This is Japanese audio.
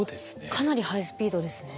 かなりハイスピードですね。